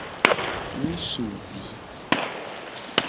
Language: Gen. Wo so vi.